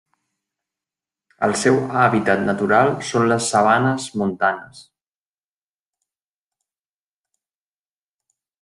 El seu hàbitat natural són les sabanes montanes.